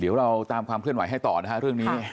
เดี๋ยวเราตามความเคลื่อนไหวให้ต่อนะฮะเรื่องนี้